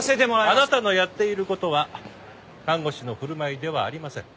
あなたのやっている事は看護師の振る舞いではありません。